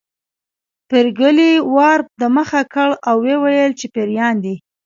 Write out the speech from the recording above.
پريګلې وار د مخه کړ او وویل چې پيريان دي